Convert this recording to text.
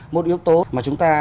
một yếu tố mà chúng ta